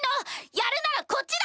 やるならこっちだよ！